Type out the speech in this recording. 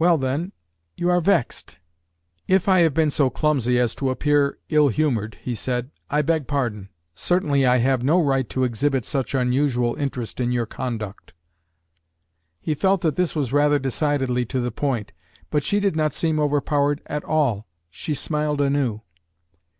Well, then, you are vexed." "If I have been so clumsy as to appear ill humored," he said, "I beg pardon. Certainly I have no right to exhibit such unusual interest in your conduct." He felt that this was rather decidedly to the point, but she did not seem overpowered at all. She smiled anew.